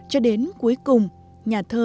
cho đến cuối cùng nhà thơ